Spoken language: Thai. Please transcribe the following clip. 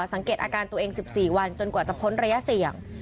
สังเกตอาการตัวเอง๑๔วันจนกว่าจะพ้นระยะเสี่ยง